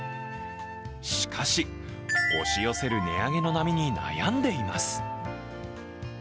しかし、押し寄せる値上げの波に悩んでいます。